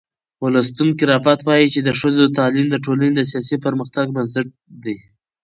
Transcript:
ولستون کرافټ وایي چې د ښځو تعلیم د ټولنې د سیاسي پرمختګ بنسټ دی.